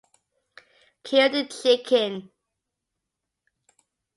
Kill the chicken.